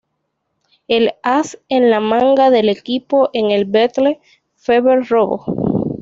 El as en la manga del equipo es el Battle Fever Robo.